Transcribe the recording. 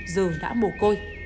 giờ đã mổ côi